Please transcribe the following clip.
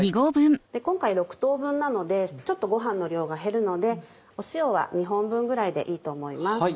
今回６等分なのでちょっとご飯の量が減るので塩は２本分ぐらいでいいと思います。